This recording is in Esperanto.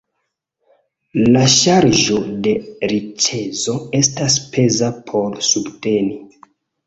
La ŝarĝo de riĉeco estas peza por subteni.